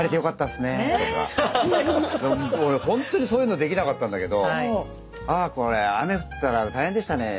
でも俺ほんとにそういうのできなかったんだけど「あこれ雨降ったら大変でしたねえ。